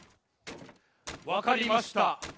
わかりました。